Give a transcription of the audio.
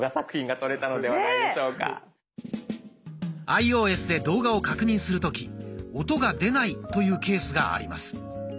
アイオーエスで動画を確認する時音が出ないというケースがあります。